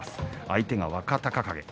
相手は若隆景。